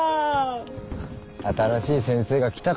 新しい先生が来たからかな？